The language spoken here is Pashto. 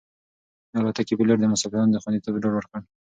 د الوتکې پېلوټ د مسافرانو د خوندیتوب ډاډ ورکړ.